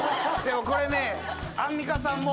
これね。